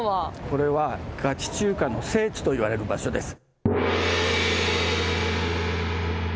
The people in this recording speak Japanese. これはガチ中華の聖地といわれる場所です。